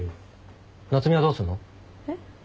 えっ？